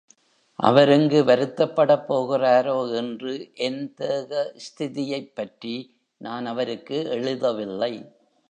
அவர் எங்கு வருத்தப்படப் போகிறாரோ என்று என் தேகஸ்திதியைப் பற்றி நான் அவருக்கு எழுதவில்லை.